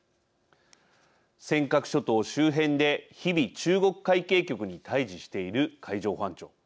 尖閣諸島周辺で日々、中国海警局に対じしている海上保安庁。